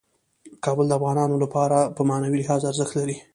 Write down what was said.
کابل د افغانانو لپاره په معنوي لحاظ ارزښت لري.